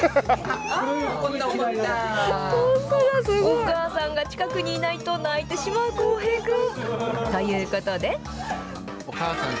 お母さんが近くにいないと泣いてしまう航平くん。